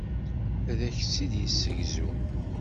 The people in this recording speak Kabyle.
Ad ak-tt-id-yessegzu.